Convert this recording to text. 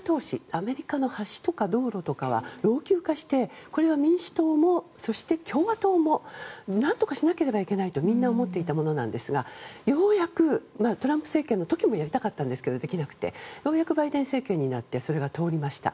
アメリカの橋とか道路とかは老朽化してこれは民主党も、そして共和党もなんとかしなければいけないとみんな思っていたものなんですがようやくトランプ政権の時もやりたかったんですができなくてようやくバイデン政権になってそれが通りました。